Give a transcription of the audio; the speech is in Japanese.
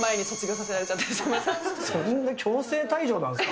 そんな強制退場なんですか。